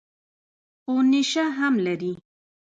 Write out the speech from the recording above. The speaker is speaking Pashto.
خو نېشه هم لري.